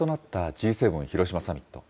Ｇ７広島サミット。